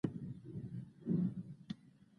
یحیی په سپوږمیز کال کې له ملګرو سره ووژل شو.